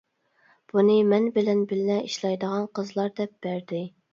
بۇنى مەن بىلەن بىللە ئىشلەيدىغان قىزلار دەپ بەردى.